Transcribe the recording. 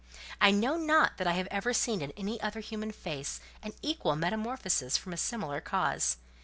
I know not that I have ever seen in any other human face an equal metamorphosis from a similar cause.